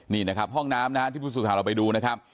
นี่นะครับห้องน้ำนะฮะที่ผู้สื่อข่าวเราไปดูนะครับ